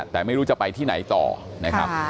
แต่ไม่รู้จะไปที่ไหนต่อนะครับ